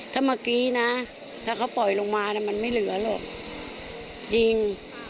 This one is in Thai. ถ้าเมื่อกี้นะถ้าเขาปล่อยลงมามันไม่เหลือหรอกจริง